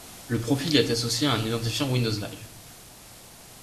Le profil est associé à un identifiant Windows Live.